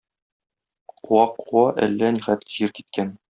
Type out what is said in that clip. Куа-куа әллә нихәтле җир киткән.